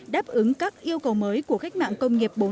đáp ứng các yêu cầu mới của cách mạng công nghiệp bốn